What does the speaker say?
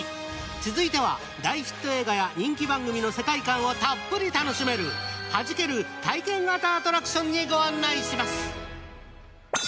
続いては、大ヒット映画や人気番組の世界観をたっぷり楽しめるはじける体験型アトラクションにご案内します。